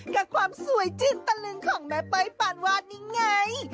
กับความสวยชื่นตะลึงของแม่เป้ยปานวาดนี่ไง